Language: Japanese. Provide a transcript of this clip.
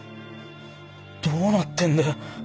どうなってんだよ